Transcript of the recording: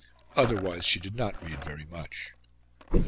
Otherwise she did not read very much.